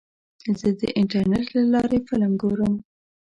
زه د انټرنیټ له لارې فلم ګورم.